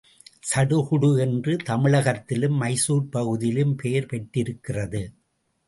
சடுகுடு என்று தமிழகத்திலும், மைசூர் பகுதியிலும் பெயர் பெற்றிருக்கிறது.